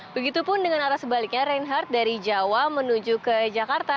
begitupun dengan arah sebaliknya reinhardt dari jawa menuju ke jakarta